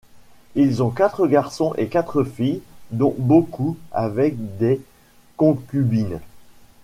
Ils ont quatre garçons et quatre filles dont beaucoup avec des concubines.